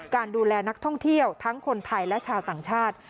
การดูแลนักท่องเที่ยวทั้งคนไทยและชาวต่างชาติ